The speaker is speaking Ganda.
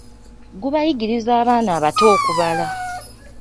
Gubayigiriza abaana abato okubala.